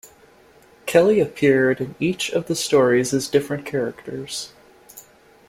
Kelly appeared in each of the stories as different characters.